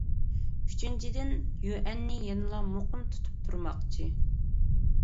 ئۈچىنچىدىن، يۈەننى يەنىلا مۇقىم تۇتۇپ تۇرماقچى.